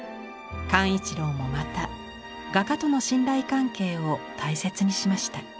幹一郎もまた画家との信頼関係を大切にしました。